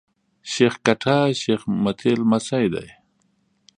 شېخ کټه شېخ متي لمسی دﺉ.